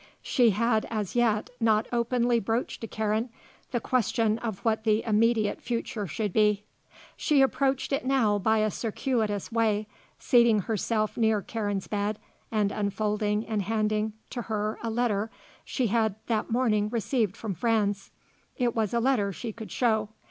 She had as yet not openly broached to Karen the question of what the immediate future should be. She approached it now by a circuitous way, seating herself near Karen's bed and unfolding and handing to her a letter she had that morning received from Franz. It was a letter she could show.